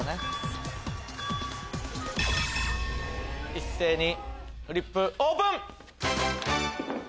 一斉にフリップオープン！